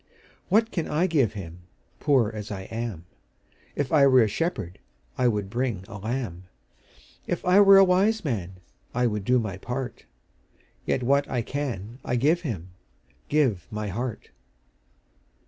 What can I give Him, Poor as I am? If I were a shepherd, I would bring a lamb; If I were a wise man, I would do my part: Yet what I can I give Him, Give my heart.